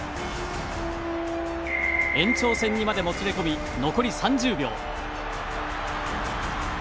延長戦にまでもつれこみ残り３０秒。